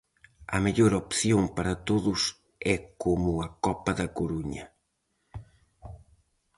A mellor opción para todos é como a Copa da Coruña.